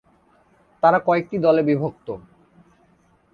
তারা কয়েকটি দলে বিভক্ত।